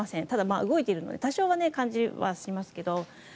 ただ、動いているので多少は感じはしますけど。